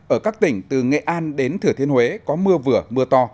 ở các tỉnh từ nghệ an đến thừa thiên huế có mưa vừa mưa to